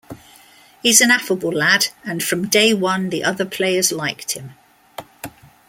He's an affable lad and from day one the other players liked him.